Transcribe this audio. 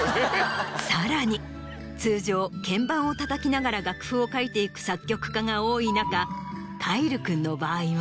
さらに通常鍵盤をたたきながら楽譜を書いていく作曲家が多い中。